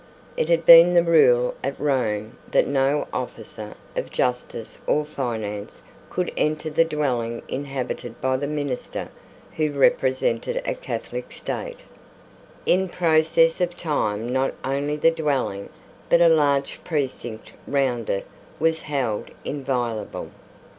It had long been the rule at Rome that no officer of justice or finance could enter the dwelling inhabited by the minister who represented a Catholic state. In process of time not only the dwelling, but a large precinct round it, was held inviolable.